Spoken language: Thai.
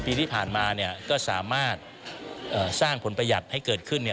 ๑๐ปีที่ผ่านมาก็สามารถสร้างผลประหยัดให้เกิดขึ้น